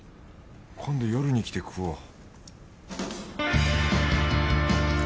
今度夜に来て食おう